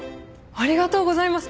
ありがとうございます